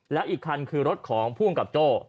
แล้วอีกคันคือรถของผู้กำกับโจ้